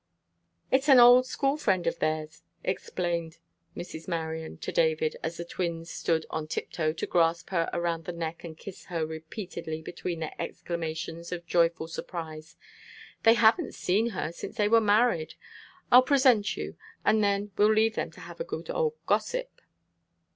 "It's an old school friend of theirs," explained Mrs. Marion to David, as the twins stood on tiptoe to grasp her around the neck and kiss her repeatedly between their exclamations of joyful surprise. "They haven't seen her since they were married. I'll present you, and then we'll leave them to have a good old gossip."